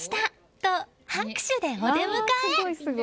と拍手でお出迎え。